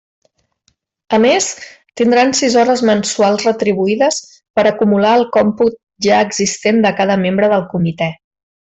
A més, tindran sis hores mensuals retribuïdes per acumular al còmput ja existent de cada membre del comitè.